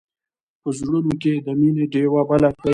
په زړونو کې د مینې ډېوې بلې کړئ.